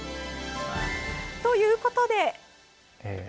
ということで。